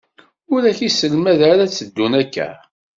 Ur akk iselmaden tteddun akka.